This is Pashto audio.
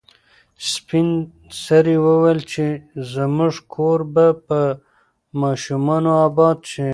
سپین سرې وویل چې زموږ کور به په ماشومانو اباد شي.